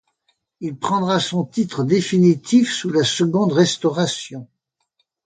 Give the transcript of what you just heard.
Il prendra son titre définitif sous la Seconde Restauration.